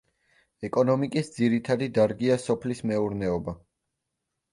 ეკონომიკის ძირითადი დარგია სოფლის მეურნეობა.